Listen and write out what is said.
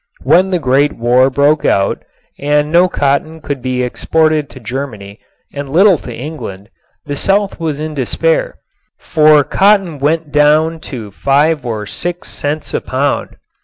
When the Great War broke out and no cotton could be exported to Germany and little to England the South was in despair, for cotton went down to five or six cents a pound.